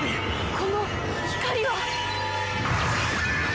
この光は！？